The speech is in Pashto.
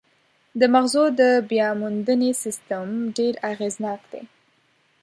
د مغزو د بیاموندنې سیستم ډېر اغېزناک دی.